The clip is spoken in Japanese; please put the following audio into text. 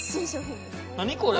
何これ？